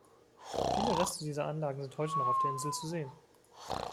Viele Reste dieser Anlagen sind heute noch auf der Insel zu sehen.